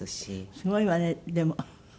すごいわねでも。